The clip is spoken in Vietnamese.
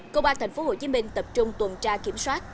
công an tp hcm tập trung tuần tra kiểm soát